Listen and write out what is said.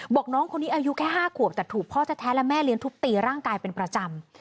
น้องคนนี้อายุแค่๕ขวบแต่ถูกพ่อแท้และแม่เลี้ยทุบตีร่างกายเป็นประจำ